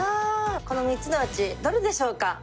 この３つのうちどれでしょうか？